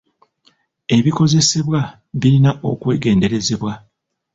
Ebikozesebwa birina okwegenderezebwa.